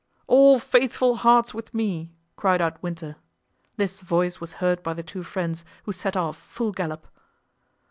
"All faithful hearts with me!" cried out Winter. This voice was heard by the two friends, who set off, full gallop.